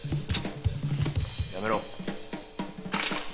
やめろ。